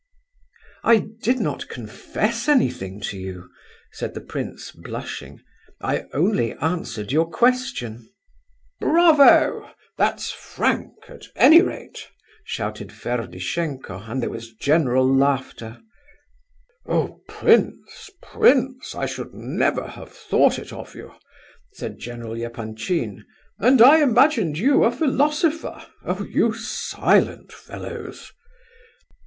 "I did not confess anything to you," said the prince, blushing. "I only answered your question." "Bravo! That's frank, at any rate!" shouted Ferdishenko, and there was general laughter. "Oh prince, prince! I never should have thought it of you;" said General Epanchin. "And I imagined you a philosopher! Oh, you silent fellows!"